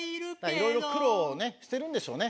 いろいろ苦労をねしてるんでしょうね。